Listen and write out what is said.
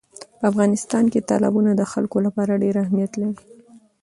په افغانستان کې تالابونه د خلکو لپاره ډېر اهمیت لري.